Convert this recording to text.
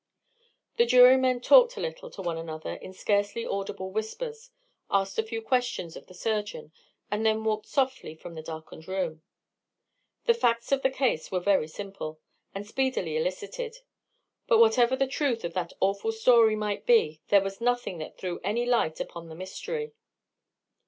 The jurymen talked a little to one another in scarcely audible whispers, asked a few questions of the surgeon, and then walked softly from the darkened room. The facts of the case were very simple, and speedily elicited. But whatever the truth of that awful story might be, there was nothing that threw any light upon the mystery.